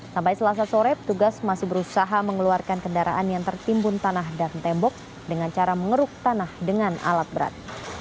sampai selasa sore petugas masih berusaha mengeluarkan kendaraan yang tertimbun tanah dan tembok dengan cara mengeruk tanah dengan alat berat